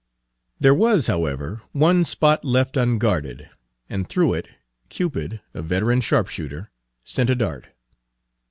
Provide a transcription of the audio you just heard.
There was, however, one spot left unguarded, and through it Cupid, a veteran sharpshooter, sent a dart.